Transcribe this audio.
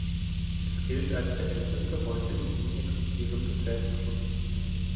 Es gilt als der älteste heute in Wien existierende Jazzclub.